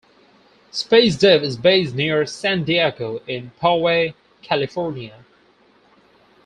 SpaceDev is based near San Diego in Poway, California.